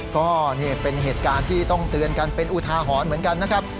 ก็นี่เป็นเหตุการณ์ที่ต้องเตือนกันเป็นอุทาหรณ์เหมือนกันนะครับ